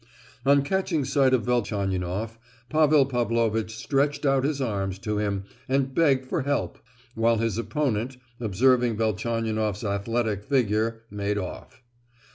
On catching sight of Velchaninoff, Pavel Pavlovitch stretched out his arms to him and begged for help; while his opponent—observing Velchaninoff's athletic figure—made off.